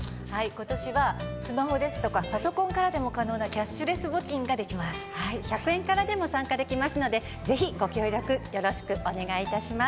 ことしはスマホですとかパソコンからでも可能なキャッシュレ１００円からでも参加できますので、ぜひご協力よろしくお願いいたします。